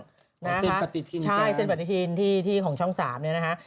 เซ็นปฏิทินที่กลางใช่เซ็นปฏิทินที่ของช่อง๓นี่นะคะ